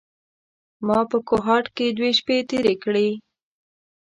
ما په کوهاټ کې دوې شپې تېرې کړې.